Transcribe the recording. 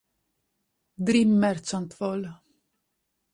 Dream Merchant Vol.